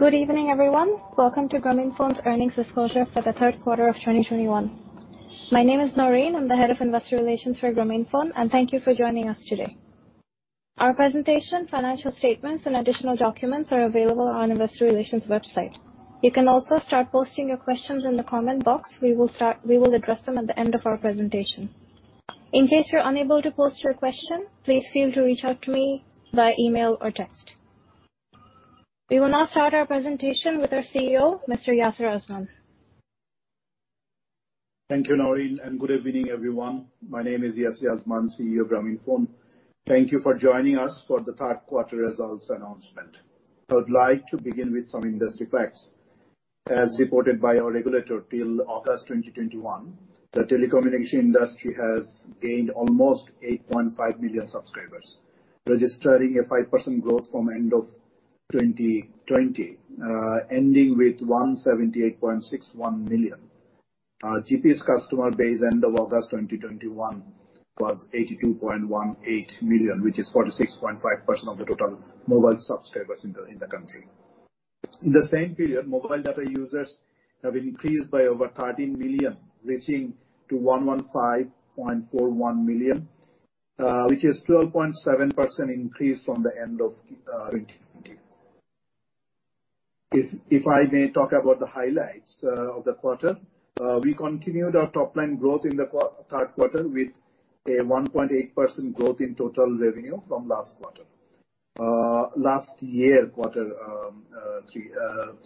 Good evening, everyone. Welcome to Grameenphone's earnings disclosure for the third quarter of 2021. My name is Naureen Quayum, I'm the head of investor relations for Grameenphone, and thank you for joining us today. Our presentation, financial statements, and additional documents are available on investor relations website. You can also start posting your questions in the comment box. We will address them at the end of our presentation. In case you're unable to post your question, please feel to reach out to me via email or text. We will now start our presentation with our CEO, Mr. Yasir Azman. Thank you, Naureen. Good evening, everyone. My name is Yasir Azman, CEO of Grameenphone. Thank you for joining us for the third quarter results announcement. I would like to begin with some industry facts. As reported by our regulator, till August 2021, the telecommunication industry has gained almost 8.5 million subscribers, registering a 5% growth from end of 2020, ending with 178.61 million. GP's customer base end of August 2021 was 82.18 million, which is 46.5% of the total mobile subscribers in the country. In the same period, mobile data users have increased by over 13 million, reaching to 150.41 million, which is 12.7% increase from the end of 2020. If I may talk about the highlights of the quarter, we continued our top-line growth in the third quarter with a 1.8% growth in total revenue from last year, quarter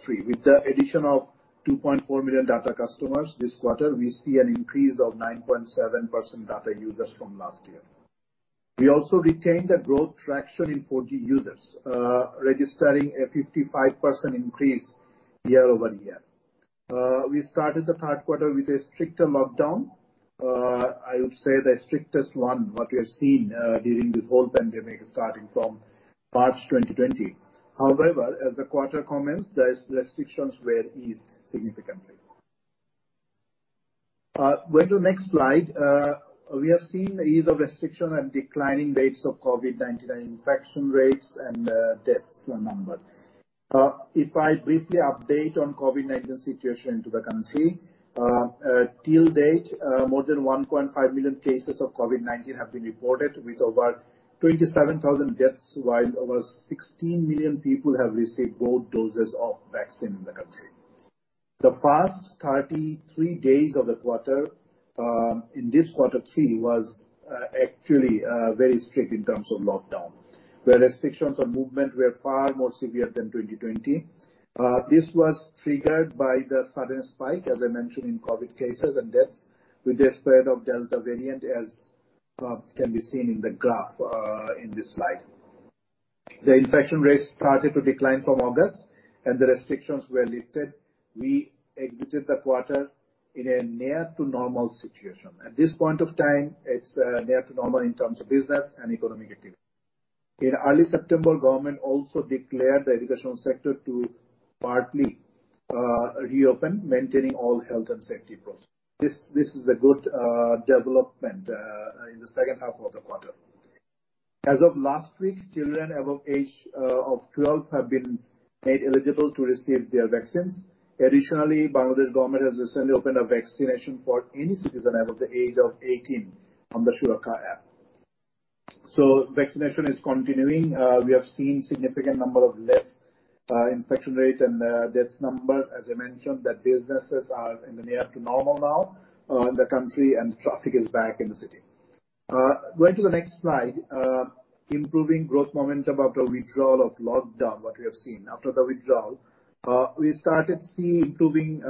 three. With the addition of 2.4 million data customers this quarter, we see an increase of 9.7% data users from last year. We also retained the growth traction in 4G users, registering a 55% increase year-over-year. We started the third quarter with a stricter lockdown. I would say the strictest one what we have seen during this whole pandemic starting from March 2020. However, as the quarter commenced, those restrictions were eased significantly. Go to next slide. We have seen the ease of restriction and declining rates of COVID-19 infection rates and deaths number. If I briefly update on COVID-19 situation into the country, till date, more than 1.5 million cases of COVID-19 have been reported, with over 27,000 deaths while over 16 million people have received both doses of vaccine in the country. The first 33 days of the quarter, in this quarter three, was actually very strict in terms of lockdown, where restrictions on movement were far more severe than 2020. This was triggered by the sudden spike, as I mentioned, in COVID cases and deaths with the spread of Delta variant as can be seen in the graph in this slide. The infection rates started to decline from August and the restrictions were lifted. We exited the quarter in a near to normal situation. At this point of time, it's near to normal in terms of business and economic activity. In early September, Government also declared the educational sector to partly reopen, maintaining all health and safety protocols. This is a good development in the second half of the quarter. As of last week, children above age of 12 have been made eligible to receive their vaccines. Additionally, Bangladesh Government has recently opened a vaccination for any citizen above the age of 18 on the Surokkha app. Vaccination is continuing. We have seen significant number of less infection rate and deaths number. As I mentioned, that businesses are in the near to normal now in the country and traffic is back in the city. Going to the next slide, improving growth momentum after withdrawal of lockdown, what we have seen. After the withdrawal, we started see improving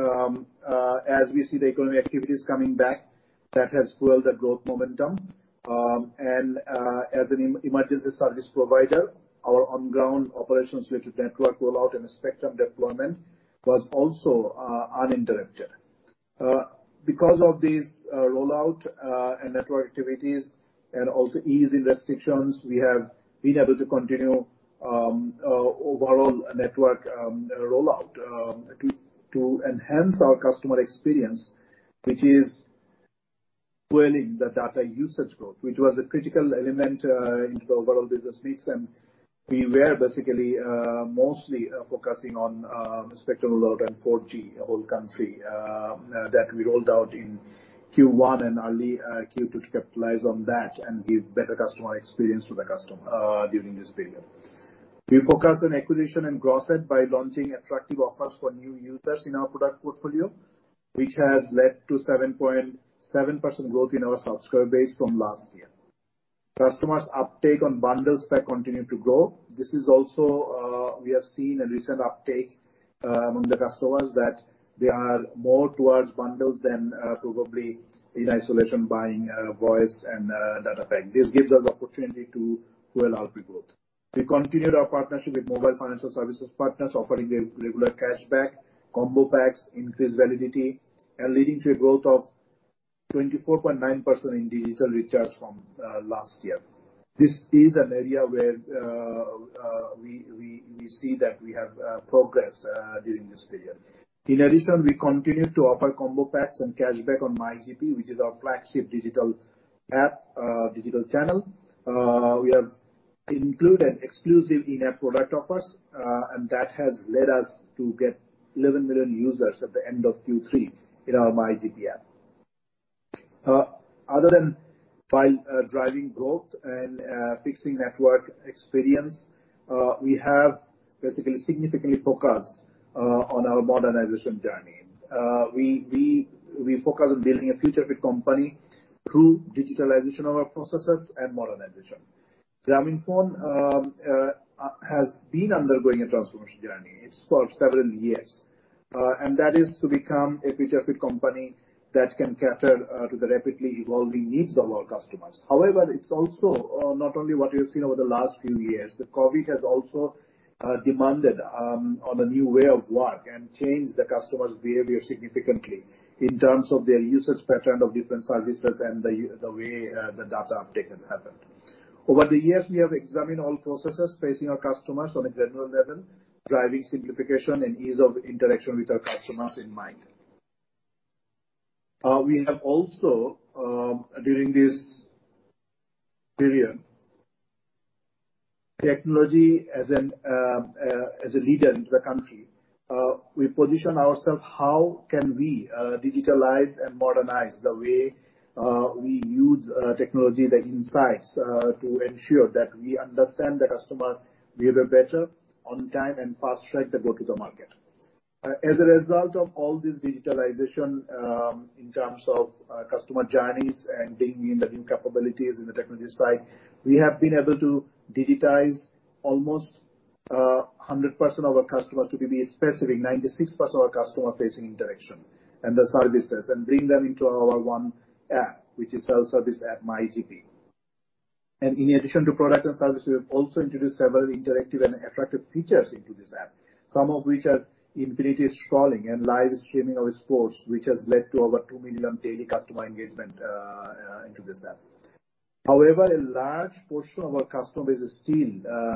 as we see the economic activities coming back, that has fueled the growth momentum. As an emergency service provider, our on-ground operations related to network rollout and spectrum deployment was also uninterrupted. Because of these rollout and network activities and also easing restrictions, we have been able to continue overall network rollout to enhance our customer experience, which is fueling the data usage growth, which was a critical element into the overall business mix, and we were basically mostly focusing on spectrum rollout and 4G whole country that we rolled out in Q1 and early Q2 to capitalize on that and give better customer experience to the customer during this period. We focused on acquisition and gross add by launching attractive offers for new users in our product portfolio, which has led to 7.7% growth in our subscriber base from last year. Customers' uptake on bundles pack continue to grow. This is also we have seen a recent uptake among the customers that they are more towards bundles than probably in isolation buying voice and data pack. This gives us opportunity to fuel ARPU growth. We continued our partnership with mobile financial services partners offering regular cashback, combo packs, increased validity, and leading to a growth of 24.9% in digital recharge from last year. This is an area where we see that we have progressed in this period. In addition, we continue to offer combo packs and cashback on MyGP, which is our flagship digital app, digital channel. We have included exclusive in-app product offers, and that has led us to get 11 million users at the end of Q3 in our MyGP app. Other than driving growth and fixing network experience, we have basically significantly focused on our modernization journey. We focus on building a future fit company through digitalization of our processes and modernization. Grameenphone has been undergoing a transformation journey. It's for several years, and that is to become a future fit company that can cater to the rapidly evolving needs of our customers. However, it's also not only what we have seen over the last few years. The COVID has also demanded on a new way of work and changed the customer's behavior significantly in terms of their usage pattern of different services and the way the data uptake has happened. Over the years, we have examined all processes facing our customers on a granular level, driving simplification and ease of interaction with our customers in mind. We have also, during this period, technology as a leader in the country, we position ourself how can we digitalize and modernize the way we use technology, the insights, to ensure that we understand the customer behavior better on time and fast-track the go to the market. As a result of all this digitalization, in terms of customer journeys and bringing in the new capabilities in the technology side, we have been able to digitize almost 100% of our customers. To be specific, 96% of our customer-facing interaction and the services, and bring them into our one app, which is self-service app, MyGP. In addition to product and service, we have also introduced several interactive and attractive features into this app. Some of which are infinity scrolling and live streaming of sports, which has led to over two million daily customer engagement into this app. However, a large portion of our customer base is still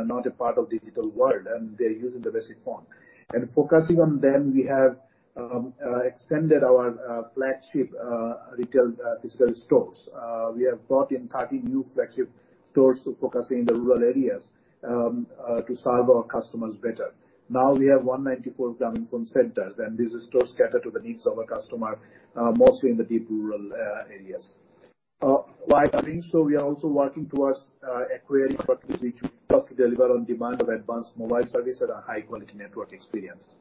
not a part of digital world, they're using the basic phone. Focusing on them, we have extended our flagship retail physical stores. We have brought in 30 new flagship stores to focus in the rural areas to serve our customers better. Now we have 194 Grameenphone centers, these stores cater to the needs of our customer, mostly in the deep rural areas. While doing so, we are also working towards acquiring products which will first deliver on demand of advanced mobile service at a high-quality network experience.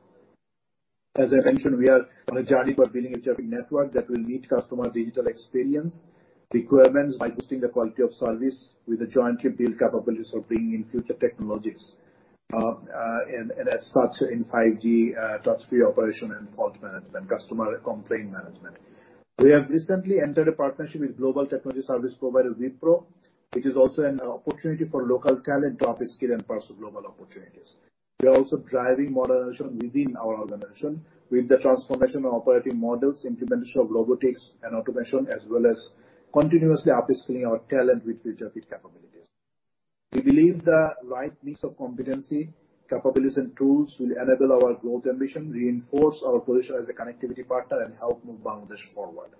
As I mentioned, we are on a journey for building a network that will meet customer digital experience requirements by boosting the quality of service with the jointly built capabilities of bringing in future technologies. As such, in 5G, touch-free operation and fault management, customer complaint management. We have recently entered a partnership with global technology service provider, Wipro, which is also an opportunity for local talent to upskill and pursue global opportunities. We are also driving modernization within our organization with the transformation of operating models, implementation of robotics and automation, as well as continuously upskilling our talent with future fit capabilities. We believe the right mix of competency, capabilities, and tools will enable our growth ambition, reinforce our position as a connectivity partner, and help move Bangladesh forward.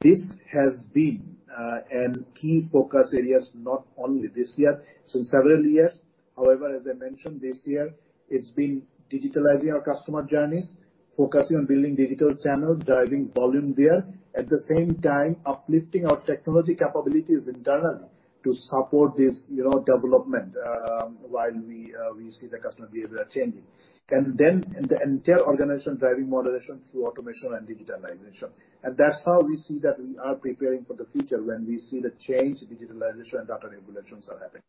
This has been a key focus areas, not only this year, so several years. As I mentioned this year, it's been digitalizing our customer journeys, focusing on building digital channels, driving volume there. At the same time, uplifting our technology capabilities internally to support this development, while we see the customer behavior changing. The entire organization driving modernization through automation and digitalization. That's how we see that we are preparing for the future when we see the change, digitalization, and data revolutions are happening.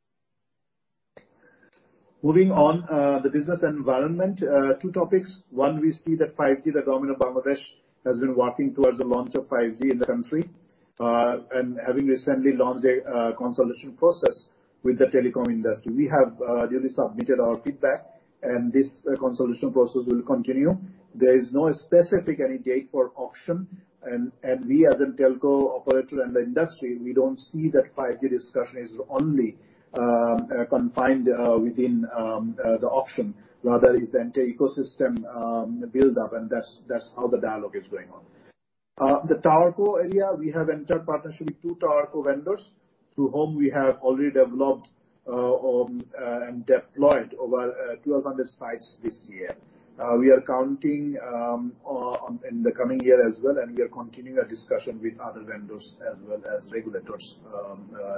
Moving on, the business environment, two topics. One, we see that 5G, the government of Bangladesh has been working towards the launch of 5G in the country. Having recently launched a consultation process with the telecom industry. We have duly submitted our feedback, and this consultation process will continue. There is no specific any date for auction, and we as a telco operator and the industry, we don't see that 5G discussion is only confined within the auction. Rather, it's the entire ecosystem build-up, and that's how the dialogue is going on. The towerco area, we have entered partnership with two towerco vendors, through whom we have already developed and deployed over 1,200 sites this year. We are counting on in the coming year as well, and we are continuing our discussion with other vendors as well as regulators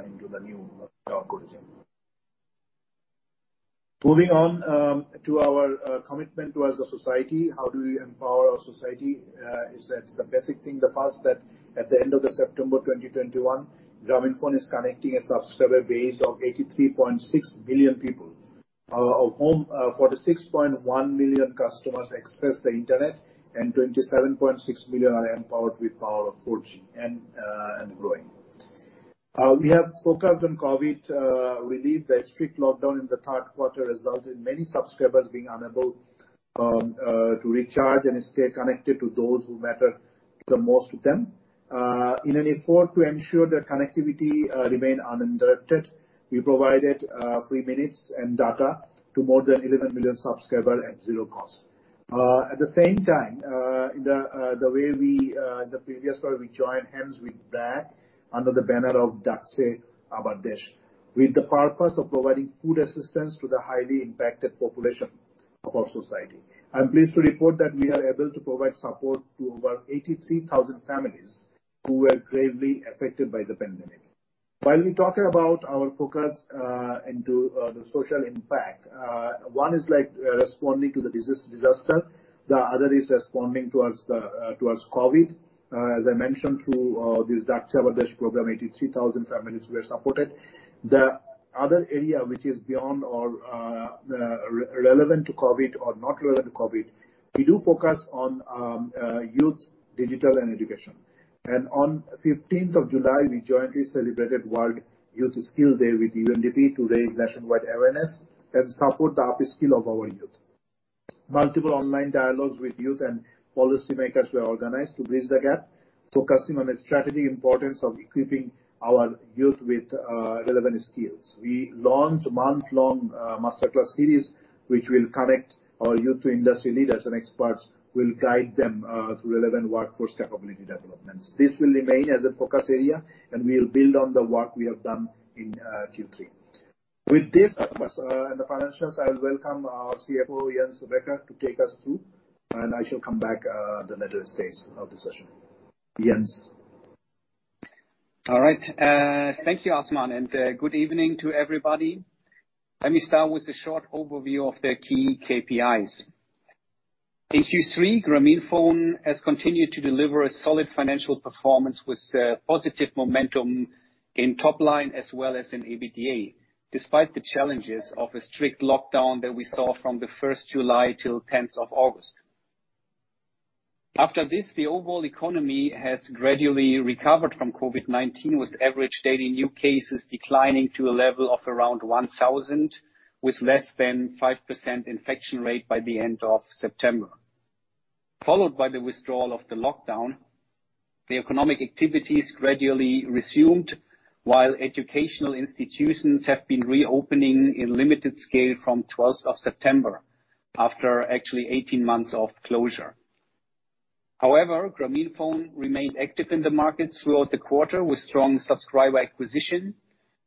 into the new towerco regime. Moving on to our commitment towards the society. How do we empower our society? It's the basic thing, the fact that at the end of September 2021, Grameenphone is connecting a subscriber base of 83.6 million people. Of whom 46.1 million customers access the internet, and 27.6 million are empowered with power of 4G and growing. We have focused on COVID relief. The strict lockdown in the third quarter resulted in many subscribers being unable to recharge and stay connected to those who matter the most to them. In an effort to ensure that connectivity remain uninterrupted, we provided free minutes and data to more than 11 million subscriber at zero cost. At the same time, the previous quarter we joined hands with BRAC under the banner of Dakche Amar Desh, with the purpose of providing food assistance to the highly impacted population of our society. I'm pleased to report that we are able to provide support to over 83,000 families who were gravely affected by the pandemic. While we talk about our focus into the social impact, one is responding to the disaster, the other is responding towards COVID-19. As I mentioned through this Dakche Amar Desh program, 83,000 families were supported. The other area, which is relevant to COVID-19 or not relevant to COVID-19, we do focus on youth digital and education. On July 15th, we jointly celebrated World Youth Skills Day with UNDP to raise nationwide awareness and support the upskill of our youth. Multiple online dialogues with youth and policy makers were organized to bridge the gap, focusing on the strategic importance of equipping our youth with relevant skills. We launched a month-long master class series, which will connect our youth to industry leaders, and experts will guide them through relevant workforce capability developments. This will remain as a focus area, and we'll build on the work we have done in Q3. With this focus and the financials, I will welcome our CFO, Jens Becker, to take us through, and I shall come back at the later stage of the session. Jens? All right. Thank you, Azman, and good evening to everybody. Let me start with a short overview of the key KPIs. In Q3, Grameenphone has continued to deliver a solid financial performance with positive momentum in top line as well as in EBITDA, despite the challenges of a strict lockdown that we saw from the July 1st till August 10th. After this, the overall economy has gradually recovered from COVID-19, with average daily new cases declining to a level of around 1,000, with less than 5% infection rate by the end of September. Followed by the withdrawal of the lockdown, the economic activities gradually resumed while educational institutions have been reopening in limited scale from of September 12th, after actually 18 months of closure. However, Grameenphone remained active in the market throughout the quarter with strong subscriber acquisition,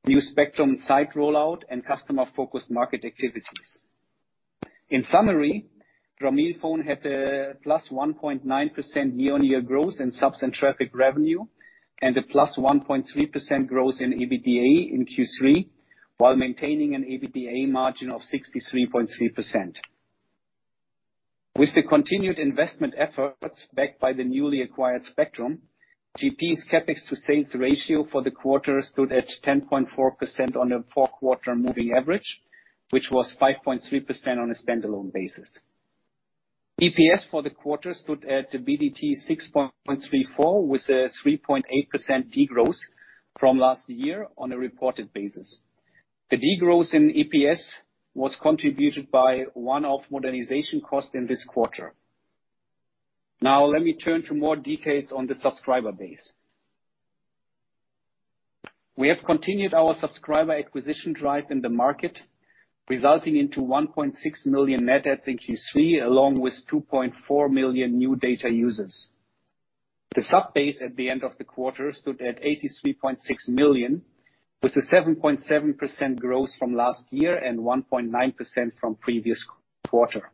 new spectrum site rollout, and customer-focused market activities. In summary, Grameenphone had a +1.9% year-on-year growth in subs and traffic revenue and a +1.3% growth in EBITDA in Q3 while maintaining an EBITDA margin of 63.3%. With the continued investment efforts backed by the newly acquired spectrum, GP's CapEx to sales ratio for the quarter stood at 10.4% on a four-quarter moving average, which was 5.3% on a standalone basis. EPS for the quarter stood at BDT 6.34, with a 3.8% degrowth from last year on a reported basis. The degrowth in EPS was contributed by one-off modernization cost in this quarter. Let me turn to more details on the subscriber base. We have continued our subscriber acquisition drive in the market, resulting into 1.6 million net adds in Q3, along with 2.4 million new data users. The sub base at the end of the quarter stood at 83.6 million, with a 7.7% growth from last year and 1.9% from previous quarter.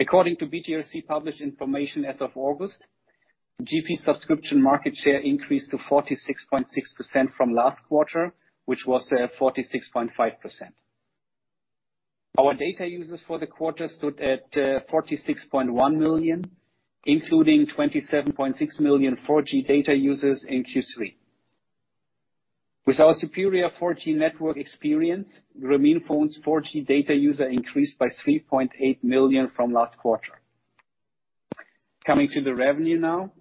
According to BTRC published information as of August, GP subscription market share increased to 46.6% from last quarter, which was 46.5%. Our data users for the quarter stood at 46.1 million, including 27.6 million 4G data users in Q3. With our superior 4G network experience, Grameenphone's 4G data user increased by 3.8 million from last quarter. Coming to the revenue now.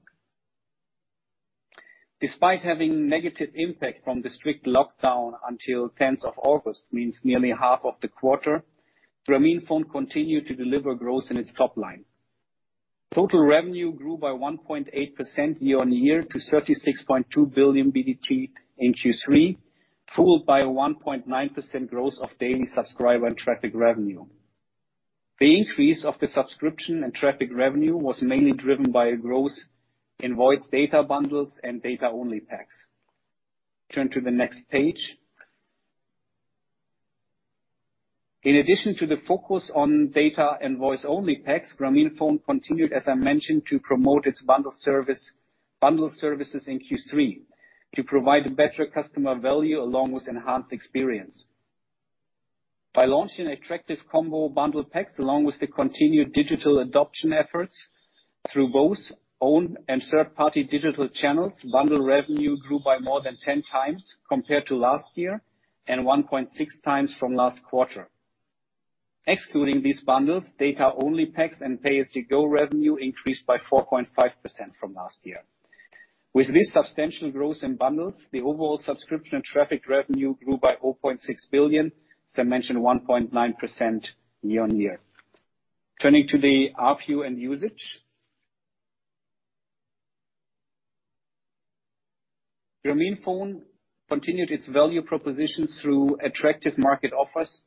Despite having negative impact from the strict lockdown until August 10th, means nearly half of the quarter, Grameenphone continued to deliver growth in its top line. Total revenue grew by 1.8% year-on-year to BDT 36.2 billion in Q3, fueled by a 1.9% growth of daily subscriber and traffic revenue. The increase of the subscription and traffic revenue was mainly driven by a growth in voice data bundles and data-only packs. Turn to the next page. In addition to the focus on data and voice-only packs, Grameenphone continued, as I mentioned, to promote its bundled services in Q3 to provide better customer value along with enhanced experience. By launching attractive combo bundle packs along with the continued digital adoption efforts through both owned and third-party digital channels, bundle revenue grew by more than 10x compared to last year and 1.6x from last quarter. Excluding these bundles, data-only packs and pay-as-you-go revenue increased by 4.5% from last year. With this substantial growth in bundles, the overall subscription and traffic revenue grew by BDT 0.6 billion, as I mentioned, 1.9% year-on-year. Turning to the ARPU and usage. Grameenphone continued its value proposition through attractive market offers,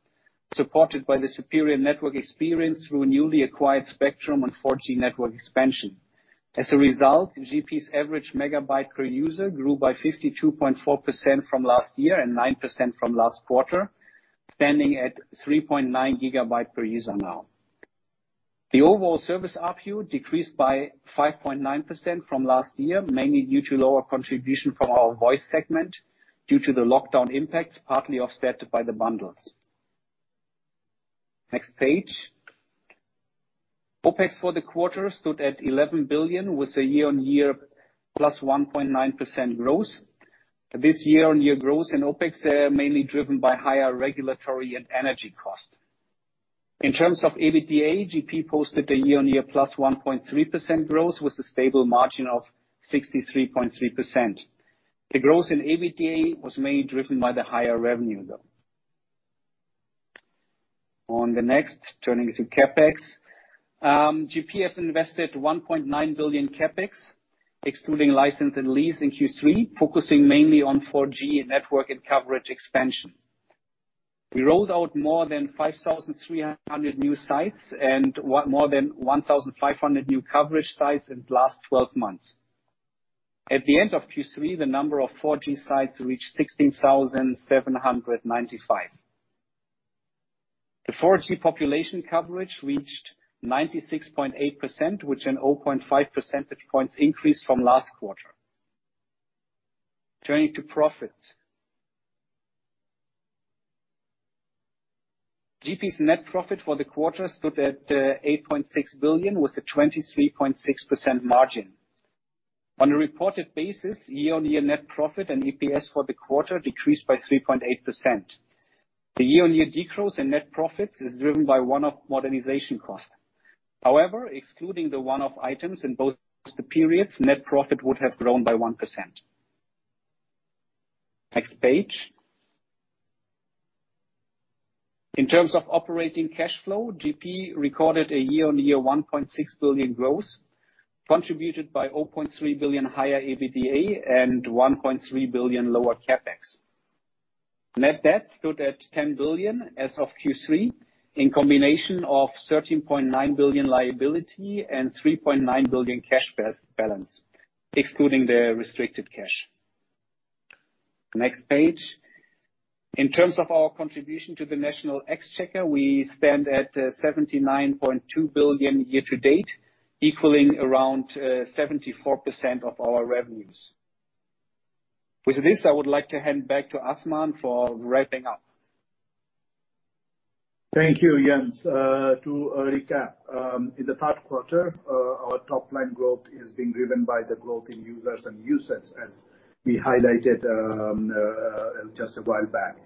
supported by the superior network experience through a newly acquired spectrum on 4G network expansion. As a result, GP's average MB per user grew by 52.4% from last year and 9% from last quarter, standing at 3.9 GB per user now. The overall service ARPU decreased by 5.9% from last year, mainly due to lower contribution from our voice segment due to the lockdown impacts, partly offset by the bundles. Next page. OpEx for the quarter stood at BDT 11 billion, with a year-on-year +1.9% growth. This year-on-year growth in OpEx are mainly driven by higher regulatory and energy cost. In terms of EBITDA, GP posted a year-on-year +1.3% growth, with a stable margin of 63.3%. The growth in EBITDA was mainly driven by the higher revenue, though. On the next, turning to CapEx. GP have invested BDT 1.9 billion CapEx, excluding license and lease in Q3, focusing mainly on 4G network and coverage expansion. We rolled out more than 5,300 new sites and more than 1,500 new coverage sites in the last 12 months. At the end of Q3, the number of 4G sites reached 16,795. The 4G population coverage reached 96.8%, which in 0.5 percentage points increased from last quarter. Turning to profits. GP's net profit for the quarter stood at BDT 8.6 billion, with a 23.6% margin. On a reported basis, year-on-year net profit and EPS for the quarter decreased by 3.8%. The year-on-year decrease in net profits is driven by one-off modernization cost. However, excluding the one-off items in both the periods, net profit would have grown by 1%. Next page. In terms of operating cash flow, GP recorded a year-on-year BDT 1.6 billion growth, contributed by BDT 0.3 billion higher EBITDA and BDT 1.3 billion lower CapEx. Net debt stood at BDT 10 billion as of Q3, in combination of BDT 13.9 billion liability and BDT 3.9 billion cash balance, excluding the restricted cash. Next page. In terms of our contribution to the national exchequer, we stand at BDT 79.2 billion year-to-date, equaling around 74% of our revenues. With this, I would like to hand back to Azman for wrapping up. Thank you, Jens. To recap, in the third quarter, our top-line growth is being driven by the growth in users and usage, as we highlighted just a while back.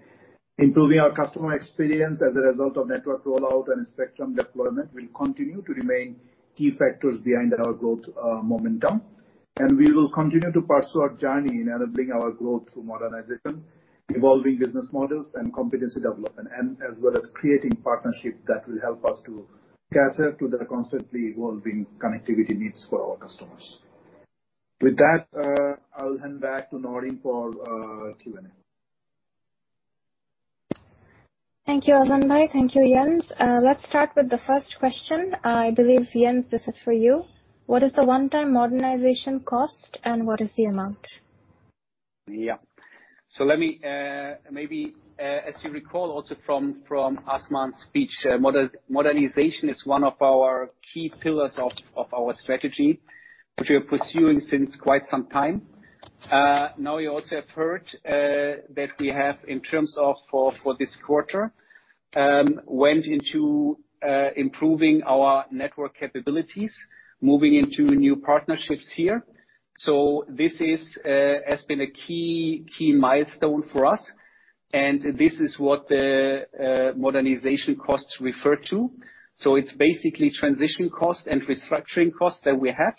Improving our customer experience as a result of network rollout and spectrum deployment will continue to remain key factors behind our growth momentum, and we will continue to pursue our journey in enabling our growth through modernization, evolving business models, and competency development, and as well as creating partnership that will help us to cater to the constantly evolving connectivity needs for our customers. With that, I'll hand back to Naureen for Q&A. Thank you, Azman. Thank you, Jens. Let's start with the first question. I believe, Jens, this is for you. What is the one-time modernization cost and what is the amount? Yeah. As you recall also from Azman's speech, modernization is one of our key pillars of our strategy, which we are pursuing since quite some time. You also have heard that we have, in terms of for this quarter, went into improving our network capabilities, moving into new partnerships here. This has been a key milestone for us, and this is what the modernization costs refer to. It's basically transition cost and restructuring costs that we have.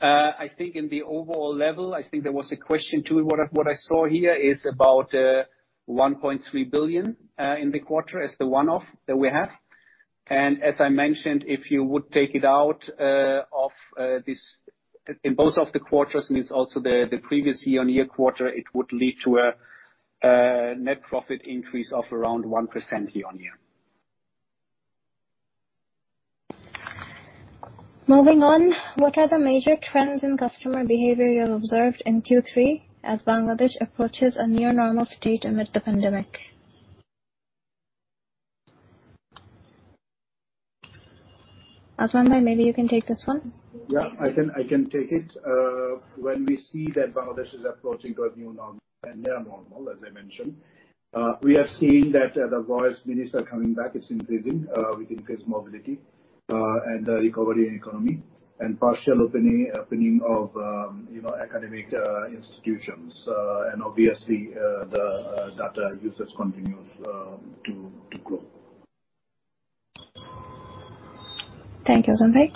I think in the overall level, I think there was a question, too. What I saw here is about BDT 1.3 billion in the quarter as the one-off that we have. As I mentioned, if you would take it out in both of the quarters, means also the previous year-on-year quarter, it would lead to a net profit increase of around 1% year-on-year. Moving on. What are the major trends in customer behavior you have observed in Q3 as Bangladesh approaches a near normal state amid the pandemic? Azman, maybe you can take this one. Yeah, I can take it. When we see that Bangladesh is approaching to a near normal, as I mentioned. We have seen that the voice minutes are coming back. It's increasing, with increased mobility, and the recovery in economy and partial opening of academic institutions. Obviously, the data usage continues to grow. Thank you, Azman.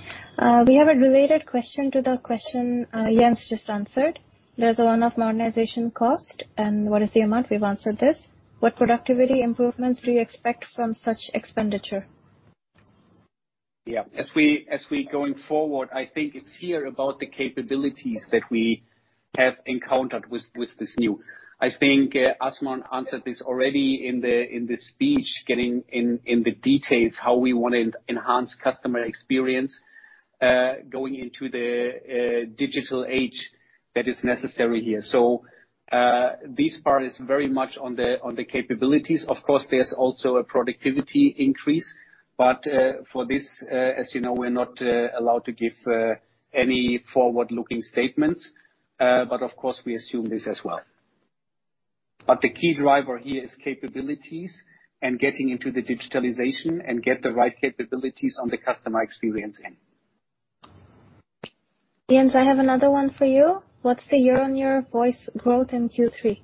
We have a related question to the question Jens just answered. There's one of modernization cost, and what is the amount? We've answered this. What productivity improvements do you expect from such expenditure? As we going forward, I think it's here about the capabilities that we have encountered with this new. I think Azman answered this already in the speech, getting in the details how we want to enhance customer experience, going into the digital age that is necessary here. This part is very much on the capabilities. Of course, there's also a productivity increase. For this, as you know, we're not allowed to give any forward-looking statements. Of course, we assume this as well. The key driver here is capabilities and getting into the digitalization and get the right capabilities on the customer experience end. Jens, I have another one for you. What's the year-on-year voice growth in Q3?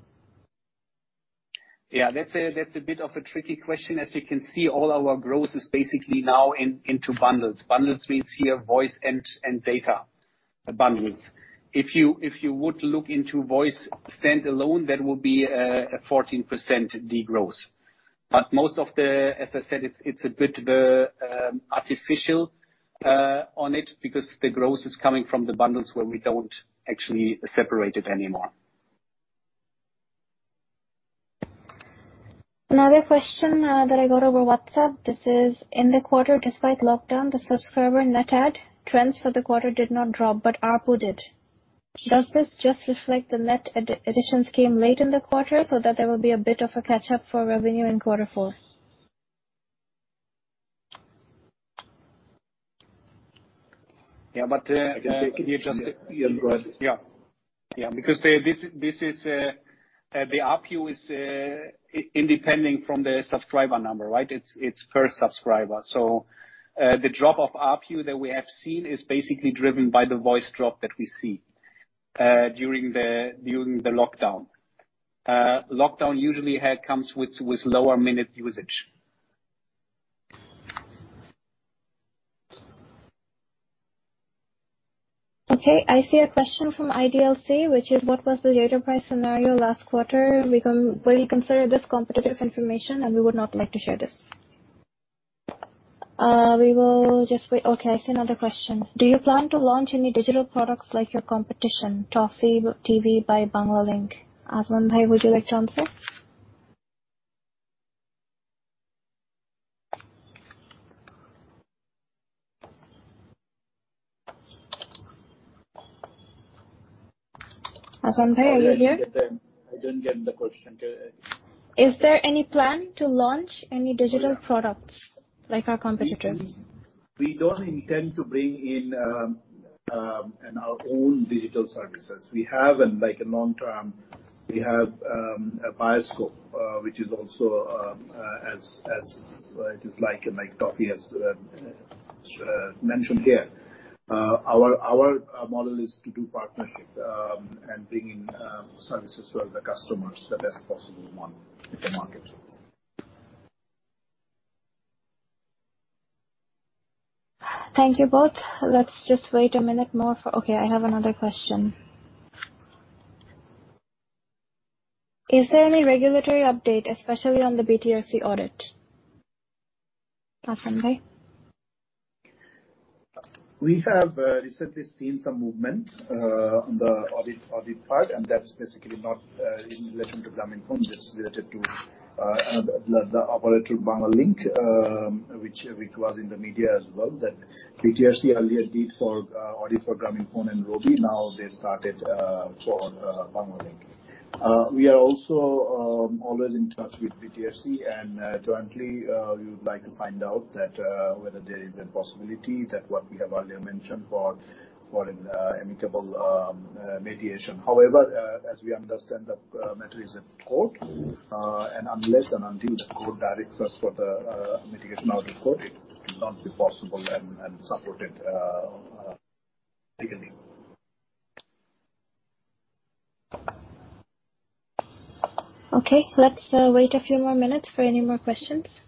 Yeah. That's a bit of a tricky question. As you can see, all our growth is basically now into bundles. Bundles means here voice and data bundles. If you would look into voice standalone, that would be a 14% degrowth. As I said, it's a bit artificial on it because the growth is coming from the bundles where we don't actually separate it anymore. Another question that I got over WhatsApp. This is, in the quarter, despite lockdown, the subscriber net add trends for the quarter did not drop, but ARPU did. Does this just reflect the net additions came late in the quarter so that there will be a bit of a catch-up for revenue in quarter four? Yeah. I can take it. You just Yeah, go ahead. Yeah. The ARPU is independent from the subscriber number, right? It's per subscriber. The drop of ARPU that we have seen is basically driven by the voice drop that we see during the lockdown. Lockdown usually comes with lower minute usage. I see a question from IDLC, which is, what was the data price scenario last quarter? We consider this competitive information, and we would not like to share this. We will just wait. I see another question. Do you plan to launch any digital products like your competition, Toffee by Banglalink? Yasir Azman, would you like to answer? Yasir Azman, are you here? I didn't get the question. Is there any plan to launch any digital products like our competitors? We don't intend to bring in our own digital services. We have in long-term, we have a Bioscope, which is also like Toffee, as mentioned here. Our model is to do partnership, and bring in services for the customers, the best possible one in the market. Thank you both. Let's just wait a minute more. Okay, I have another question. Is there any regulatory update, especially on the BTRC audit? Yasir Azman. We have recently seen some movement on the audit part, and that's basically not in relation to Grameenphone, it's related to the operator Banglalink, which was in the media as well, that BTRC earlier did audit for Grameenphone and Robi. Now they started for Banglalink. We are also always in touch with BTRC, and currently we would like to find out whether there is a possibility that what we have earlier mentioned for an amicable mediation. However, as we understand, the matter is in court. Unless and until the court directs us for the mediation, out of court, it will not be possible and supported legally. Okay. Let's wait a few more minutes for any more questions.